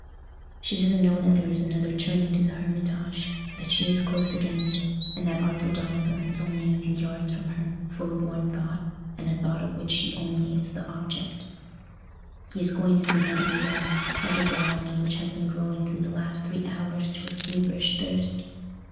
She doesn't know that there is another turning to the Hermitage, that she is close against it, and that Arthur Donnithorne is only a few yards from her, full of one thought, and a thought of which she only is the object. He is going to see Hetty again: that is the longing which has been growing through the last three hours to a feverish thirst.